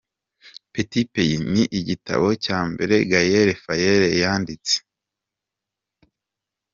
Petit Pays”, ni igitabo cya mbere Gaël Faye yanditse.